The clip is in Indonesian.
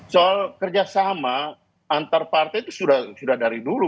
soal kerjasama antar partai itu sudah dari dulu